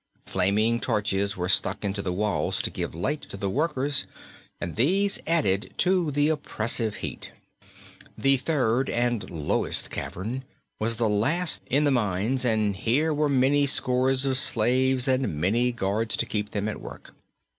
Flaming torches were stuck into the walls to give light to the workers, and these added to the oppressive heat. The third and lowest cavern was the last in the mines, and here were many scores of slaves and many guards to keep them at work.